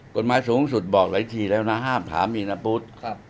กฎหมายสูงสุดบอกหลายทีแล้วนะห้ามถามอีกนะปุ๊ด